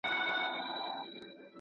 آیا د فرانسې سفیر کابل ته راغلی و؟